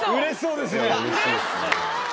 うれしいですね。